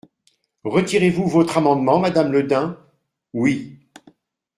Retirez-vous votre amendement, madame Le Dain ? Oui.